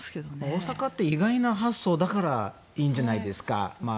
大阪って意外な発想だからいいんじゃないですか。